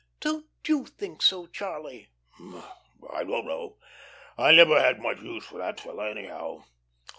"Don't you think so, Charlie?" "Uh! I don't know. I never had much use for that fellow, anyhow."